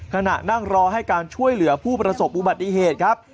ขณะนั่งรอให้การช่วยเหลือผู้ประสบอุบัติเหตุครับ